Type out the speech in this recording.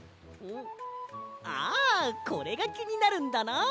あこれがきになるんだな！